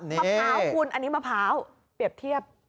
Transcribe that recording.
มะพร้าวคุณอันนี้มะพร้าวเปรียบเทียบ